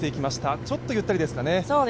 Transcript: ちょっとゆったりですかね？